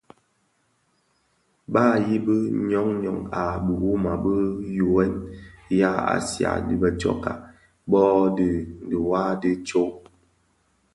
Ba yibi ňyon ňyon a biwuma bi yughèn ya Azia bè tsotsoka bō bi dhiwa di tsog.